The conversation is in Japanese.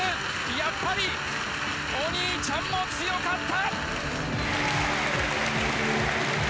やっぱりお兄ちゃんも強かった！